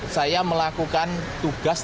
saya melakukan tugas